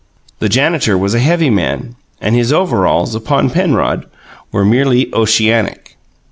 The janitor was a heavy man, and his overalls, upon Penrod, were merely oceanic.